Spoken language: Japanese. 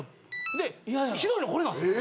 でひどいのこれなんですよ。